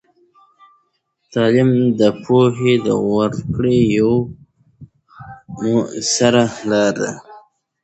تعلیم د پوهې د ورکړې یوه مؤثره لاره ده.